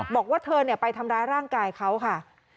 บอกว่าเธอไปทำร้ายร่างกายเขาค่ะ